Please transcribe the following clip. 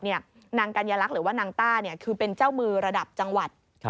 นางกัญลักษณ์หรือว่านางต้าคือเป็นเจ้ามือระดับจังหวัด